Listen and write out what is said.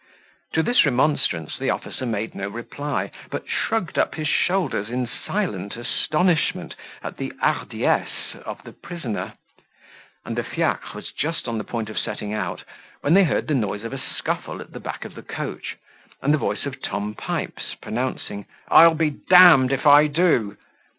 To this remonstrance the officer made no reply, but shrugged up his shoulders in silent astonishment at the hardiesse of the prisoner; and the fiacre was just on the point of setting out, when they heard the noise of a scuffle at the back of the coach, and the voice of Tom Pipes pronouncing, "I'll be d d if I do."